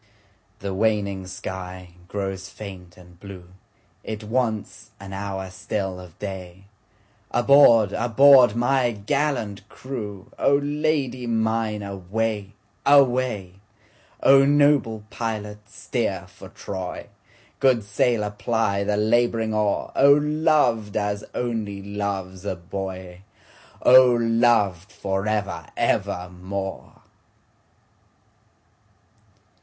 The waning sky grows faint and blue, It wants an hour still of day, Aboard! aboard! my gallant crew,O Lady mine away! away!O noble pilot steer for Troy, Good sailor ply the labouring oar,O loved as only loves a boy!O loved for ever evermore!